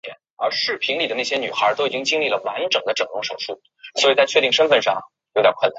内蒙古科技大学是内蒙古自治区直属大学。